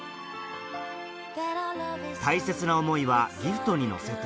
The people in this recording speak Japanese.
大切な思いはギフトに乗せて